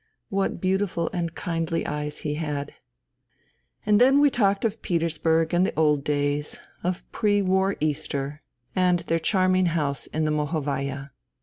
What beautiful and kindly eyes he had. ... And then we talked of Petersburg and the old days, of pre war Easter, and their charming house in the Mohovaya.